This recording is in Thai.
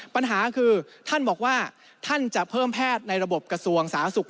ปัญหาคือท่านบอกว่าท่านจะเพิ่มแพทย์ในระบบกระทรวงศาสตร์ศุกร์๒๐๐คน